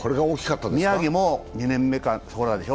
宮城も２年目かそこらでしょ。